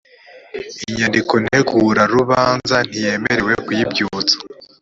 inyandiko ntegurarubanza ntiyemerewe kuyibyutsa